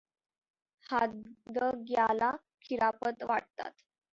हादग्याला खिरापत वाटतात.